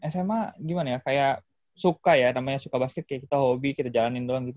sma gimana ya kayak suka ya namanya suka basket kayak kita hobi kita jalanin doang gitu